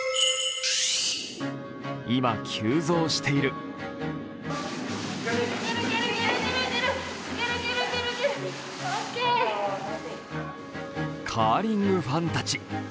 今、急増しているカーリングファンたち。